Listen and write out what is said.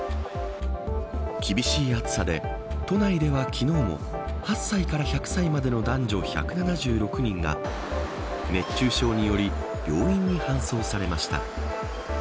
厳しい暑さで都内では昨日も８歳から１００歳までの男女１７６人が熱中症により病院に搬送されました。